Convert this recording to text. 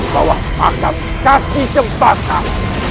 bawa panggat kasih jembatan